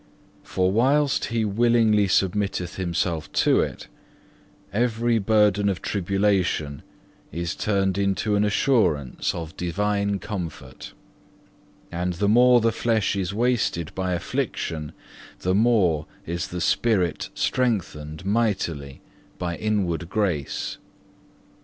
For whilst he willingly submitteth himself to it, every burden of tribulation is turned into an assurance of divine comfort, and the more the flesh is wasted by affliction, the more is the spirit strengthened mightily by inward grace.